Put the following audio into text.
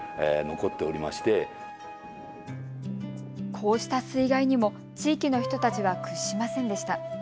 こうした水害にも地域の人たちは屈しませんでした。